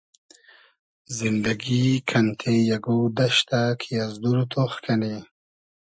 زیندئگی کئنتې اگۉ دئشتۂ کی از دور تۉخ کئنی